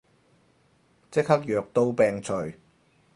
即刻藥到病除